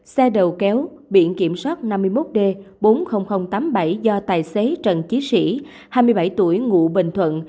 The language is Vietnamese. xe đầu kéo biển kiểm soát năm mươi một d bốn mươi nghìn tám mươi bảy do tài xế trần chí sĩ hai mươi bảy tuổi ngụ bình thuận